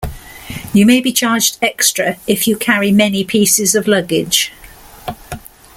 You may be charged extra, if you carry many pieces of luggage.